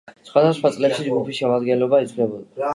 სხვადასხვა წლებში ჯგუფის შემადგენლობა იცვლებოდა.